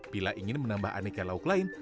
bila ingin menambah aneka lauk lain